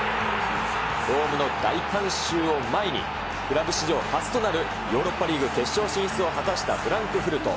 ホームの大観衆を前に、クラブ史上初となるヨーロッパリーグ決勝進出を果たしたフランクフルト。